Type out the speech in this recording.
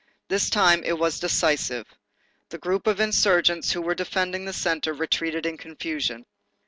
This time, it was decisive. The group of insurgents who were defending the centre retreated in confusion.